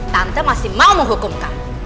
tante masih mau menghukum kamu